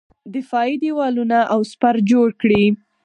دفاعي دېوالونه او سپر جوړ کړي.